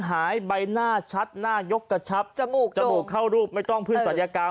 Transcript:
หายใบหน้าชัดหน้ายกกระชับจมูกจมูกเข้ารูปไม่ต้องพึ่งศัลยกรรม